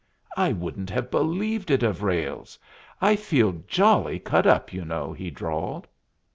"I wouldn't have believed it of Ralles. I feel jolly cut up, you know," he drawled.